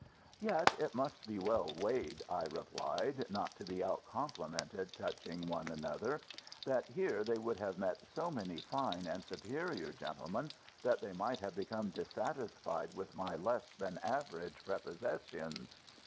"Yet it must be well weighed," I replied, not to be out complimented touching one another, "that here they would have met so many fine and superior gentlemen that they might have become dissatisfied with my less than average prepossessions."